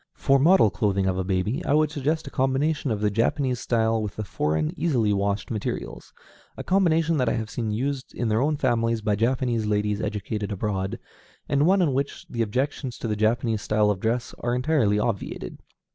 For model clothing for a baby, I would suggest a combination of the Japanese style with the foreign, easily washed materials, a combination that I have seen used in their own families by Japanese ladies educated abroad, and one in which the objections to the Japanese style of dress are entirely obviated.